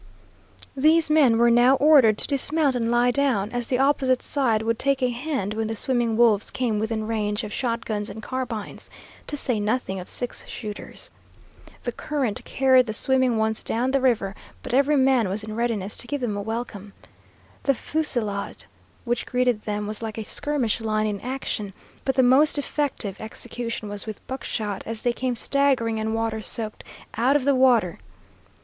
These men were now ordered to dismount and lie down, as the opposite side would take a hand when the swimming wolves came within range of shotguns and carbines, to say nothing of six shooters. The current carried the swimming ones down the river, but every man was in readiness to give them a welcome. The fusillade which greeted them was like a skirmish line in action, but the most effective execution was with buckshot as they came staggering and water soaked out of the water.